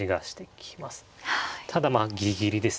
ただまあギリギリですね。